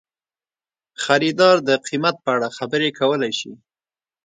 خریدار د قیمت په اړه خبرې کولی شي.